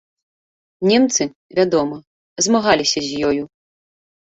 Немцы, вядома, змагаліся з ёю.